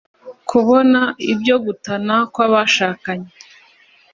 kubona ibyo gutana kw'abashakanye